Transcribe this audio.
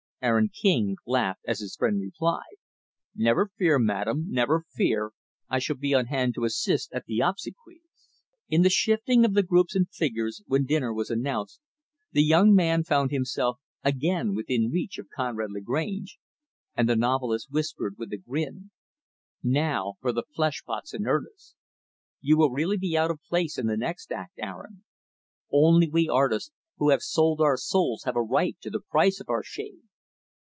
Aaron King laughed as his friend replied, "Never fear, madam, never fear I shall be on hand to assist at the obsequies." In the shifting of the groups and figures, when dinner was announced, the young man found himself, again, within reach of Conrad Lagrange; and the novelist whispered, with a grin, "Now for the flesh pots in earnest. You will be really out of place in the next act, Aaron. Only we artists who have sold our souls have a right to the price of our shame.